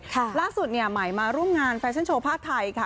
ล่าสุดเนี่ยใหม่มาร่วมงานแฟชั่นโชว์ผ้าไทยค่ะ